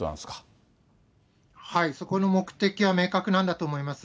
そこの目的は明確なんだと思います。